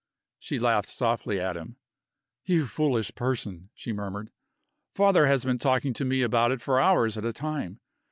She laughed softly at him. "You foolish person," she murmured. "Father has been talking to me about it for hours at a time.